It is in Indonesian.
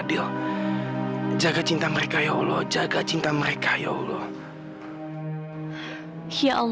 tidak usah kak fadil